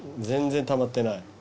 全然たまってない。